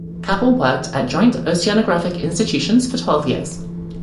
Kappel worked at Joint Oceanographic Institutions for twelve years.